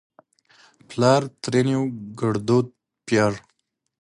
پلار؛ ترينو ګړدود پيار